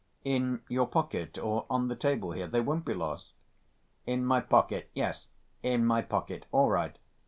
"In your pocket, or on the table here. They won't be lost." "In my pocket? Yes, in my pocket. All right....